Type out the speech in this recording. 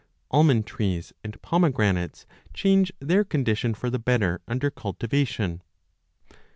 Almond trees and pomegranates change their condition for 35 the better under cultivation.